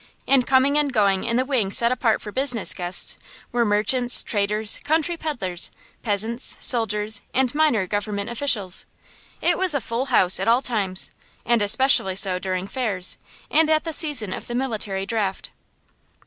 And coming and going in the wing set apart for business guests were merchants, traders, country peddlers, peasants, soldiers, and minor government officials. It was a full house at all times, and especially so during fairs, and at the season of the military draft.